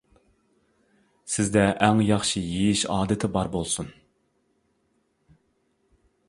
سىزدە ئەڭ ياخشى يېيىش ئادىتى بار بولسۇن.